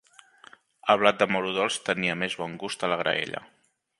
El blat de moro dolç tenia més bon gust a la graella.